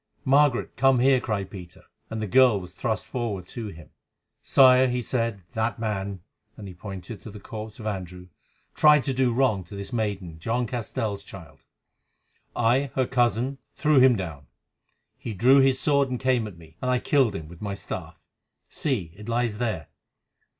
"Margaret, come here," cried Peter; and the girl was thrust forward to him. "Sire," he said, "that man," and he pointed to the corpse of Andrew, "tried to do wrong to this maiden, John Castell's child. I, her cousin, threw him down. He drew his sword and came at me, and I killed him with my staff. See, it lies there.